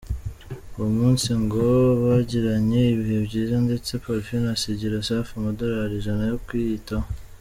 Uwo munsi ngo bagiranye ibihe byiza ndetse Parfine asigira Safi amadolari ijana yo kwiyitaho.